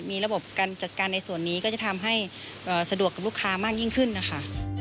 มีระบบการจัดการในส่วนนี้ก็จะทำให้สะดวกกับลูกค้ามากยิ่งขึ้นนะคะ